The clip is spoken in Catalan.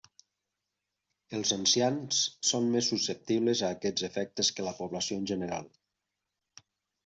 Els ancians són més susceptibles a aquests efectes que la població en general.